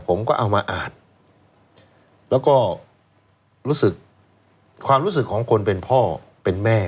ผมก็เอามาอ่านแล้วก็รู้สึกความรู้สึกของคนเป็นพ่อเป็นแม่